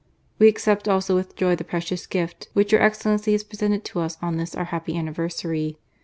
... We accept also with joy the precious gift which your Excellency has presented to us on this our happy anniversarj'.